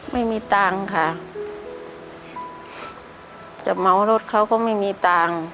ไม่มีตังค์ค่ะจะเมารถเขาก็ไม่มีตังค์